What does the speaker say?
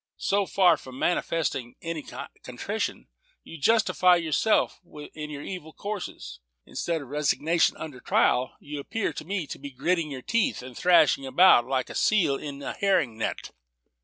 So far from manifesting any contrition, you justify yourself in your evil courses. Instead of resignation under trial, you appear to me to be 'gritting your teeth,' and thrashing about like unto a seal in a herring net."